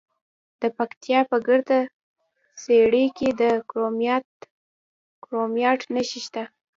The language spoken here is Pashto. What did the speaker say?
د پکتیا په ګرده څیړۍ کې د کرومایټ نښې شته.